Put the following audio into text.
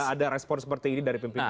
ada respon seperti ini dari pimpinan